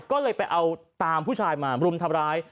ก็เลยไปเอาตามผู้ชายมารุมทำร้าย